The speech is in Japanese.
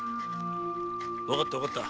わかったわかった。